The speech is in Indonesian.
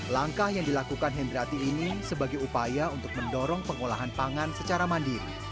langkah yang dilakukan hendrati ini sebagai upaya untuk mendorong pengolahan pangan secara mandiri